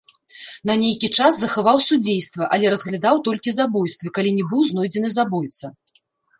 На нейкі час захаваў судзейства, але разглядаў толькі забойствы, калі не быў знойдзены забойца.